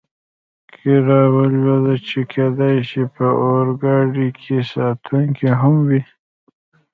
کې را ولوېد، چې کېدای شي په اورګاډي کې ساتونکي هم وي.